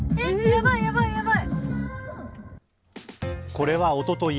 これはおととい